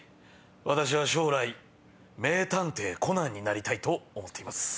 私は将来名探偵コナンになりたいと思っています。